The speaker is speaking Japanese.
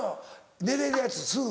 寝れるやつすぐ。